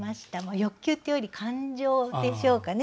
欲求というより感情でしょうかね